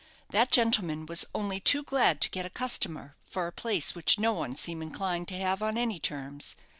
That gentleman was only too glad to get a customer for a place which no one seemed inclined to have on any terms.